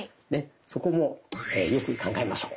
そこもよく考えましょう。